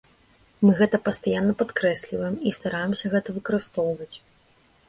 Мы гэта пастаянна падкрэсліваем і стараемся гэта выкарыстоўваць.